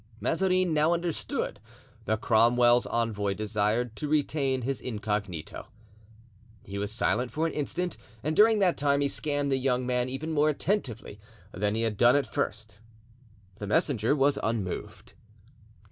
Mazarin now understood that Cromwell's envoy desired to retain his incognito. He was silent for an instant, and during that time he scanned the young man even more attentively than he had done at first. The messenger was unmoved.